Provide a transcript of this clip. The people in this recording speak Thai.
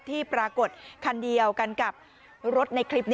ที่ปรากฏคันเดียวกันกับรถในคลิป